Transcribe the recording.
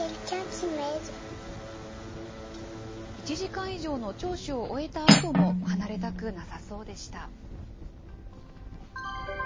１時間以上の聴取を終えたあとも、離れたくなさそうでした。